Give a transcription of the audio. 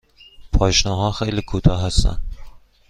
پاشنه ها خیلی کوتاه هستند.